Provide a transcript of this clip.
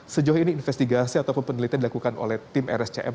sejauh ini investigasi ataupun penelitian dilakukan oleh tim rscm